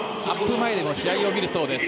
前でも試合を見るそうです。